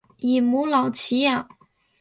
以母老乞养。